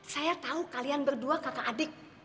saya tahu kalian berdua kakak adik